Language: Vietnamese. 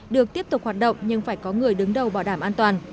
được tiếp tục hoạt động nhưng phải có người đứng đầu bảo đảm an toàn